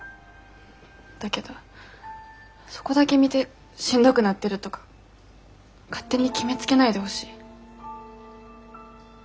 だけどそこだけ見てしんどくなってるとか勝手に決めつけないでほしい。